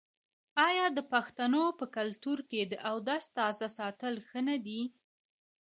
آیا د پښتنو په کلتور کې د اودس تازه ساتل ښه نه دي؟